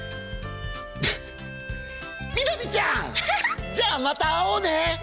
南ちゃんじゃあまた会おうね！